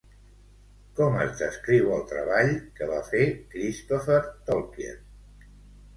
Com es descriu el treball que va fer Christopher Tolkien?